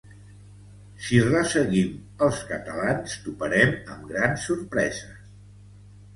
Si resseguim els catalans, toparem amb grans sorpreses.